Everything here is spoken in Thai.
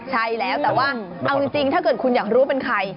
ใช่แล้วแต่ว่าเอาจริงถ้าเกิดคุณอยากรู้เป็นใคร